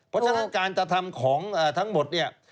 เพราะฉะนั้นการกระทำของทั้งหมดเนี่ย